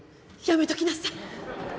やめときなさい！